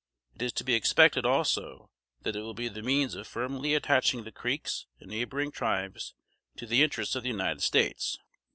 It is to be expected, also, that it will be the means of firmly attaching the Creeks and neighboring tribes to the interests of the United States."